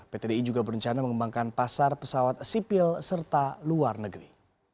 pt di juga berencana mengembangkan pasar pesawat sipil serta luar negeri